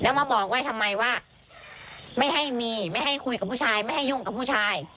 แล้วมาบอกไว้ทำไมว่าไม่ให้มีไม่ให้คุยกับผู้ชายไม่ให้ยุ่งกับผู้ชาย